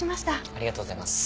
ありがとうございます。